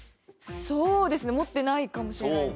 そうですね持ってないかもしれないです。